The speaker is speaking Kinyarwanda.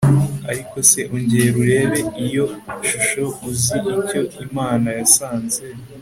ariko se ongera urebe iyo shusho uzi icyo imana yasanze